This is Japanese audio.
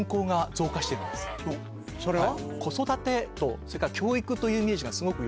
それは？